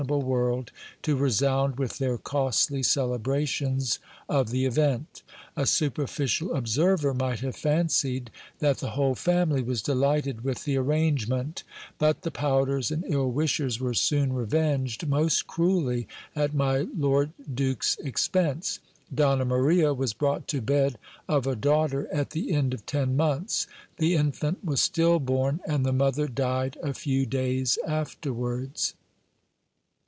411 able world to resound with their costly celebrations of the event A superficial observer might have fancied that the whole family was delighted with the arrangement ; but the pouters and ill wishers were soon revenged most cruelly at my lord duke's expense. Donna Maria was brought to bed of a daughter at the end of ten months ; the infant was still born, and the mother died a few day afterwards.